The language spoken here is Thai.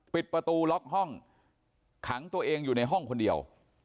ปิดประตูล็อกห้องขังตัวเองอยู่ในห้องคนเดียว